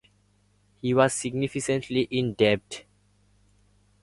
He was significantly in debt.